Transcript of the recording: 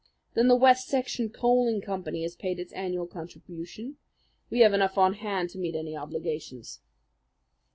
Then the West Section Coaling Company has paid its annual contribution. We have enough on hand to meet any obligations."